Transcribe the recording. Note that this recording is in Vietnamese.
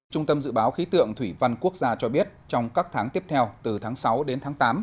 trung tâm dự báo khí tượng thủy văn quốc gia cho biết trong các tháng tiếp theo từ tháng sáu đến tháng tám